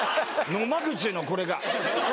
野間口のこれが。